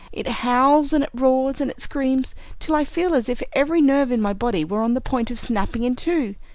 It howls and it roars and it screams, till I feel as if every nerve in my body were on the point of snapping in two.